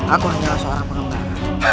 aku hanyalah seorang pengembara